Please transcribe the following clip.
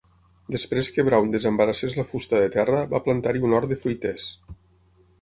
Després que Brown desembarassés la fusta de terra, va plantar-hi un hort de fruiters.